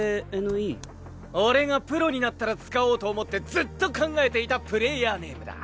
俺がプロになったら使おうと思ってずっと考えていたプレーヤーネームだ。